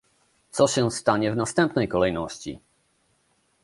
Co się stanie w następnej kolejności?